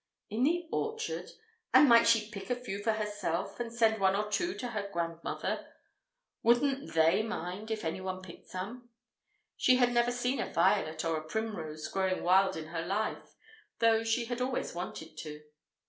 In the orchard? And might she pick a few for herself and send one or two to her grandmother? Wouldn't "they" mind if anyone picked some? She had never seen a violet or a primrose growing wild in her life, though she had always wanted to.